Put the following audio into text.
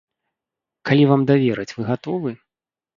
Калі вам давераць, вы гатовы?